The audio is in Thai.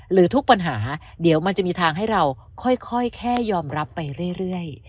หรือทุกปัญหาเดี๋ยวมันจะมีทางให้เราค่อยแค่ยอมรับไปเรื่อย